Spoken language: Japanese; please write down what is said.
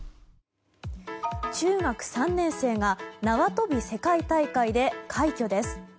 中学３年生が縄跳び世界大会で快挙です。